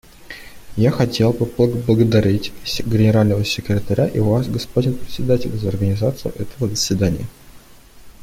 Я хотел бы поблагодарить Генерального секретаря и Вас, господин Председатель, за организацию этого заседания.